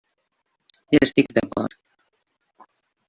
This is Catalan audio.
Hi estic d'acord.